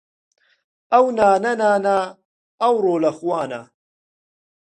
ئەو نانە نانە ، ئەوڕۆ لە خوانە